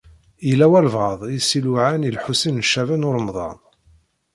Yella walebɛaḍ i s-iluɛan i Lḥusin n Caɛban u Ṛemḍan.